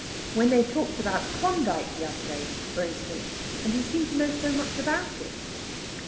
When they talked about Klondyke the other day, for instance, and he seemed to know so much about it....